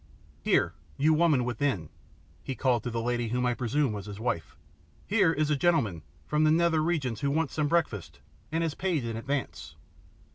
Here, you woman within," he called to the lady whom I presume was his wife, "here is a gentleman from the nether regions who wants some breakfast and has paid in advance.